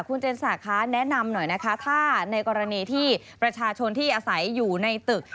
คุณเจนสาคะแนะนำหน่อยนะคะถ้าในกรณีที่ประชาชนที่อาศัยอยู่ในตึก